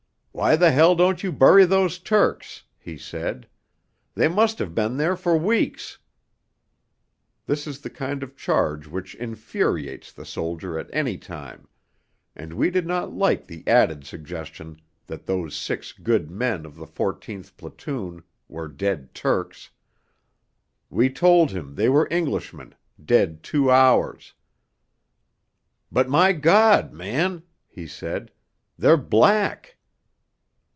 'Why the hell don't you bury those Turks?' he said, 'they must have been there for weeks!' This is the kind of charge which infuriates the soldier at any time; and we did not like the added suggestion that those six good men of the 14th Platoon were dead Turks. We told him they were Englishmen, dead two hours. 'But, my God, man,' he said, 'they're black!'